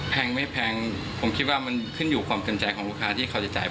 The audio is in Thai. แพงไม่แพงผมคิดว่ามันขึ้นอยู่ความเต็มใจของลูกค้าที่เขาจะจ่าย